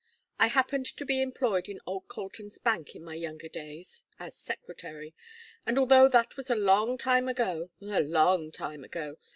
I happened to be employed in old Colton's bank in my younger days as secretary and although that was a long time ago a long time ago!